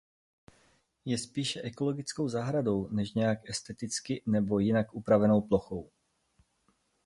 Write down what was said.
Je spíše ekologickou zahradou než nějak esteticky nebo jinak upravenou plochou.